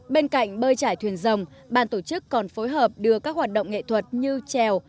bên cạnh bơi trải thuyền rồng ban tổ chức còn phối hợp đưa các hoạt động nghệ thuật như trèo